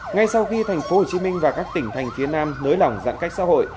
ngay sau khi thành phố hồ chí minh và các tỉnh thành phía nam nới lỏng giãn cách xã hội